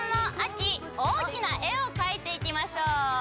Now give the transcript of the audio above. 大きな絵をかいていきましょう。